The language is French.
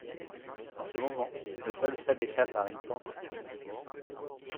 En ce moment, le sol s’abaissa par une pente prononcée.